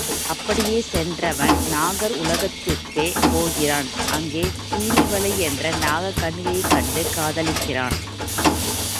அப்படிச் சென்றவன் நாகர் உலகத்துக்கே போகிறான் அங்கு பீலிவளை என்ற நாக கன்னியைக்கண்டு காதலிக்கிறான்.